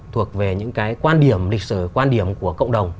thuộc về những cái quan điểm lịch sử quan điểm của cộng đồng